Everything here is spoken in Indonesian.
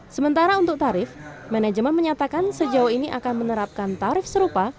sementara untuk tarif manajemen menyatakan sejauh ini akan menerapkan tarif serupa